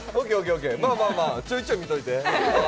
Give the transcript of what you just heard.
まあまあちょいちょい見といて。